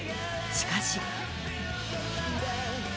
しかし。